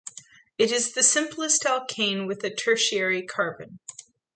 It is the simplest alkane with a tertiary carbon.